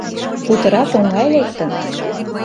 Путырак оҥай лектын!